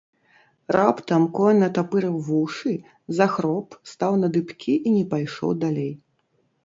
Раптам конь натапырыў вушы, захроп, стаў на дыбкі і не пайшоў далей.